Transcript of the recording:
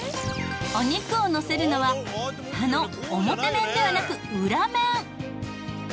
お肉をのせるのは葉の表面ではなく裏面。